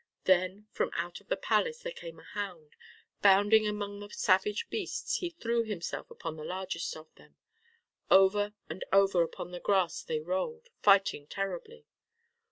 Then from out the palace there came a hound. Bounding among the savage beasts he threw himself upon the largest of them. Over and over upon the grass they rolled, fighting terribly.